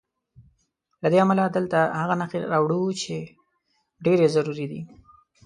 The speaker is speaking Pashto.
له دې امله دلته هغه نښې راوړو چې ډېرې ضروري دي.